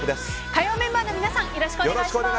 火曜メンバーの皆さんよろしくお願いします。